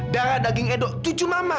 darah daging edo cucu mama